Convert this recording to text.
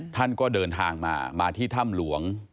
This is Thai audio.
ท่านก็เดินทางมามาที่ถ้ำหลวง